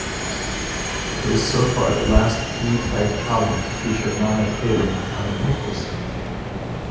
It's so far the last E-Type album to feature Nana Hedin on vocals.